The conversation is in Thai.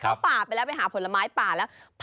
เข้าป่าไปแล้วไปหาผลไม้ป่าแล้ว